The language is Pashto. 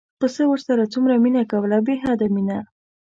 پسه ورسره څومره مینه کوله بې حده مینه.